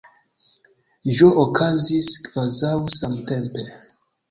Ĝi okazis kvazaŭ samtempe.